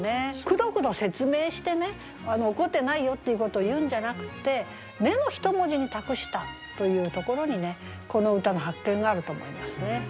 くどくど説明してね怒ってないよっていうことを言うんじゃなくって「ね」の一文字に託したというところにねこの歌の発見があると思いますね。